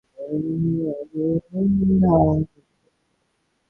ফলে হৃদরোগ, উচ্চ-রক্তচাপ নিয়ন্ত্রণেও কার্যকর।